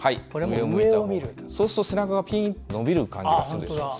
そうすると背中がピーンと伸びる感じがするでしょう。